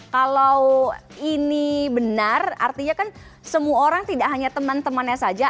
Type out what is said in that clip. kalau ini benar artinya kan semua orang tidak hanya teman temannya saja